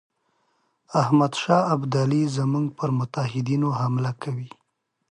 احمدشاه ابدالي زموږ پر متحدینو حمله کوي.